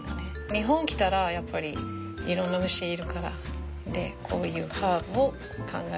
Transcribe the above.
日本来たらやっぱりいろんな虫いるからこういうハーブを考えて一緒に混ぜる。